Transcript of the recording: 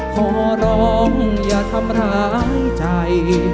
ขอร้องอย่าทำร้ายใจ